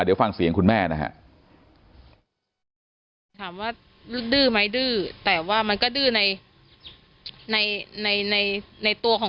เดี๋ยวฟังเสียงคุณแม่นะฮะ